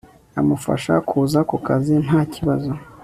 Amufasha kuza kukazi ntakibazo